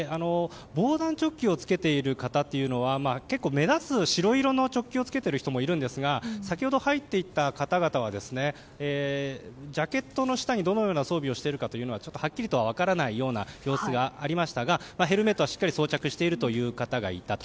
防弾チョッキを着けている方は結構目立つ白色のチョッキを着けている人もいるんですが先ほど入っていった方々はジャケットの下にどのような装備をしているかははっきりとは分からないような様子がありましたがヘルメットはしっかり装着している方がいたと。